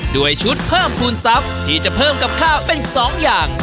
ด้วยชุดเพิ่มภูมิทรัพย์ที่จะเพิ่มกับข้าวเป็น๒อย่าง